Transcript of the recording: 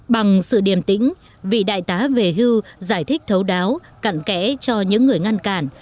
bằng sự điểm tĩnh vị đại tá về hưu giải thích thấu đáo cặn kẽ cho những người ngăn cản